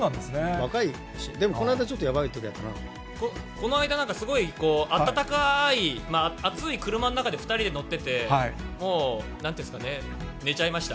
若いし、でもこの間、ちょっこの間、なんかすごい、暖かい、暑い車の中で２人で乗ってて、もうなんていうんですかね、寝ちゃいました。